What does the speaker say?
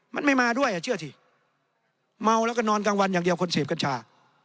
มันไม่มาด้วยอ่ะเชื่อสิเมาแล้วก็นอนกลางวันอย่างเดียวคนเสพกัญชา